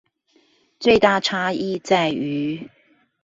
最大的差異在於